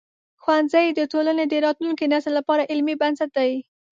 ښوونځی د ټولنې د راتلونکي نسل لپاره علمي بنسټ دی.